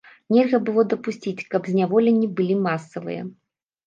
Нельга было дапусціць, каб зняволенні былі масавыя.